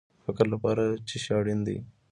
د فکر لپاره څه شی اړین دی؟